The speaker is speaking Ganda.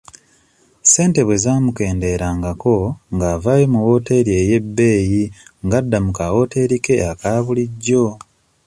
Ssente bwe zaamukenderangako ng'avaayo mu wooteeri ey'ebbeeyi ng'adda mu kawooteri ke aka bulijjo.